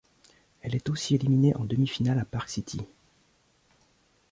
Elle est aussi éliminée en demi-finale à Park City.